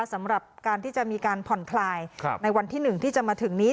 สำหรับการที่จะมีการผ่อนคลายในวันที่๑ที่จะมาถึงนี้